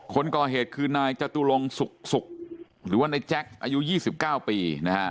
คนก่อเหตุคือนายจตุลงสุขหรือว่าในแจ็คอายุ๒๙ปีนะฮะ